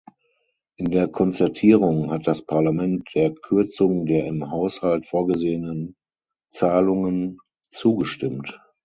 In der Konzertierung hat das Parlament der Kürzung der im Haushalt vorgesehenen Zahlungen zugestimmt.